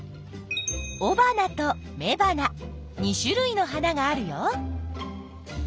おばなとめばな２種類の花があるよ。